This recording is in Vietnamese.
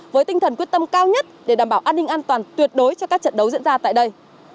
với tinh thần quyết tâm cao nhất để đảm bảo an ninh an toàn tuyệt đối cho các trận đấu diễn ra tại đây